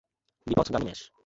বিপথগামী মেষ।